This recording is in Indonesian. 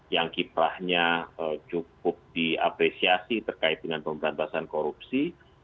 yang kiprahnya cukup diapresiasi terkait dengan pemberantasan korupsi